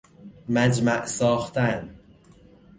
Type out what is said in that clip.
مجمع ساختن